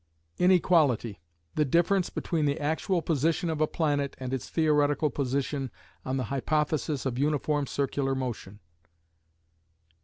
Inequality: The difference between the actual position of a planet and its theoretical position on the hypothesis of uniform circular motion.